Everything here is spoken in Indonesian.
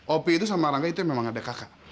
opi itu sama rangga itu memang ada kakak